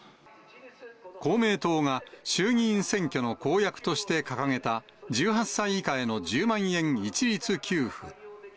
公明党が、衆議院選挙の公約として掲げた、１８歳以下への１０万円一律給付。